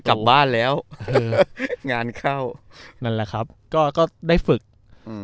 กลับบ้านแล้วเอองานเข้านั่นแหละครับก็ก็ได้ฝึกอืม